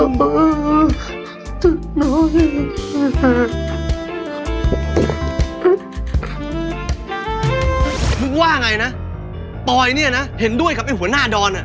มึงว่าไงนะปอยเนี่ยนะเห็นด้วยกับไอ้หัวหน้าดอนอ่ะ